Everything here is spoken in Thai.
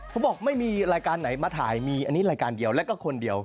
เขาบอกไม่มีรายการไหนมาถ่ายมีอันนี้รายการเดียวแล้วก็คนเดียว